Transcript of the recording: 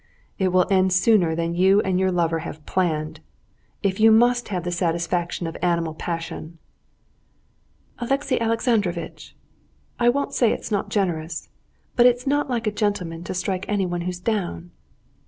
"It will end sooner than you and your lover have planned! If you must have the satisfaction of animal passion...." "Alexey Alexandrovitch! I won't say it's not generous, but it's not like a gentleman to strike anyone who's down."